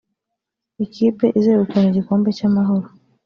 Ikipe izegukana igikombe cy’Amahoro